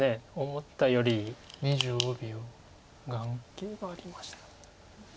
思ったより眼形がありました。